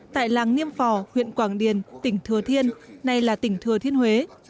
tại làng niêm phò huyện quảng điền tỉnh thừa thiên nay là tỉnh thừa thiên huế